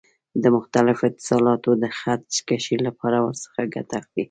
د مختلفو اتصالاتو د خط کشۍ لپاره ورڅخه ګټه اخلي.